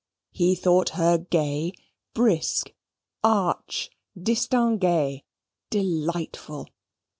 He thought her gay, brisk, arch, distinguee, delightful.